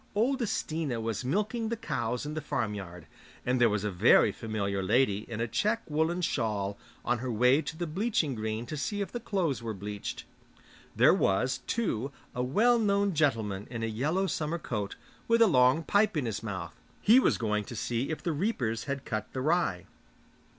Old Stina was milking the cows in the farmyard, and there was a very familiar lady in a check woollen shawl on her way to the bleaching green to see if the clothes were bleached. There was, too, a well known gentleman in a yellow summer coat, with a long pipe in his mouth; he was going to see if the reapers had cut the rye.